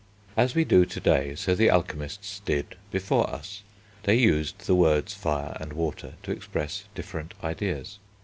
As we do to day, so the alchemists did before us; they used the words fire and water to express different ideas.